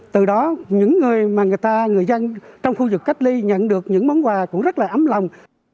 từ đó những người mà người dân trong khu vực cách ly nhận được những món quà cũng rất là ấm lòng